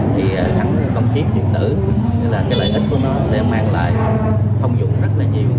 thì hắn có chip truyền tử nên là cái lợi ích của nó sẽ mang lại phong dụng rất là nhiều